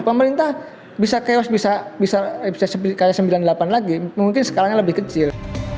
pemerintah bisa chaos bisa kayak sembilan puluh delapan lagi mungkin skalanya lebih kecil